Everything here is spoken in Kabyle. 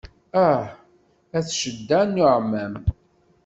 Ah at cedda n yiɛumam.